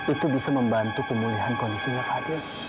itu bisa membantu pemulihan kondisinya fadil